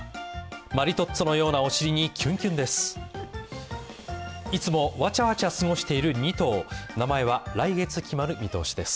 マリトッツォのようなお尻にキュンキュンです。